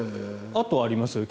あと、あります？